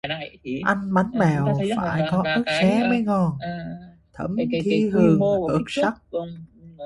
Ăn bánh bèo phải có ớt xé mới ngon, thấm thía hơn “ớt xắt”